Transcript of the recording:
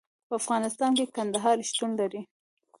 په افغانستان کې کندهار شتون لري.